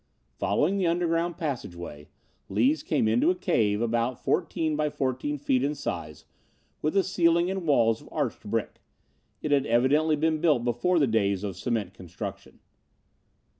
Following the underground passageway, Lees came onto a cave about 14 by 14 feet in size with a ceiling and walls of arched brick. It had evidently been built before the days of cement construction.